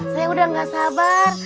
saya udah gak sabar